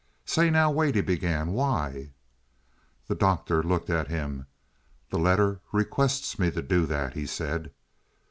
"Say now, wait," he began, "why " The Doctor looked at him. "The letter requests me to do that," he said.